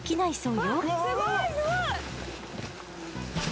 すごいすごい！